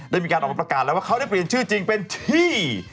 ได้มีการออกมาประกาศแล้วว่าเขาได้เปลี่ยนชื่อจริงเป็นที่